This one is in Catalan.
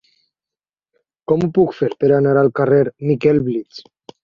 Com ho puc fer per anar al carrer de Miquel Bleach?